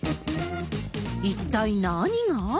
一体何が？